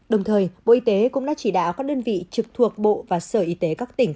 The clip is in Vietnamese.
đồng thời bộ y tế cũng đã chỉ đạo các đơn vị trực thuộc bộ và sở y tế các tỉnh